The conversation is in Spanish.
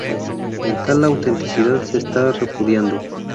En tal la autenticidad se está "repudiando".